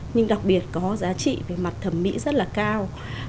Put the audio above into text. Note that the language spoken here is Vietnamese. nhưng đặc biệt có giá trị về mặt thẩm mỹ rất là cao